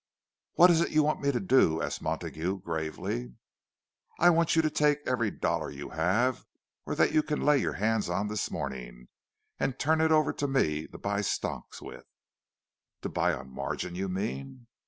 "What is it you want me to do?" asked Montague, gravely. "I want you to take every dollar you have, or that you can lay your hands on this morning, and turn it over to me to buy stocks with." "To buy on margin, you mean?"